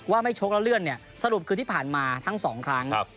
ไม่ชกแล้วเลื่อนเนี่ยสรุปคือที่ผ่านมาทั้งสองครั้ง